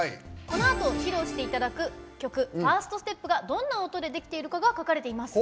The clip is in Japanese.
このあと披露していただく曲「ｆｉｒｓｔｓｔｅｐ」がどんな音でできているかが書かれています。